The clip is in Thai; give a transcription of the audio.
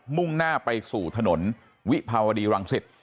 มุ่งหน้าไปสู่ถนนวิภาวดีรังสิต